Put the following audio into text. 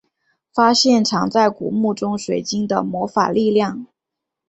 发现藏在古墓中水晶的魔法力量。